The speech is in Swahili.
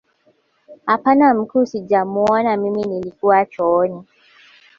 Hapana mkuu sijamuona mimi nilikuwa chooni